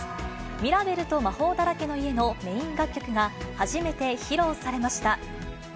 ミラベルと魔法だらけの家のメイン楽曲が初めて披露されました。